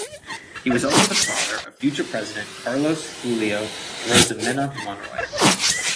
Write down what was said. He was also the father of future president Carlos Julio Arosemena Monroy.